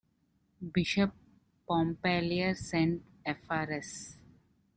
Bishop Pompallier sent Frs.